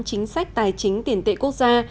chính sách tài chính tiền tệ quốc gia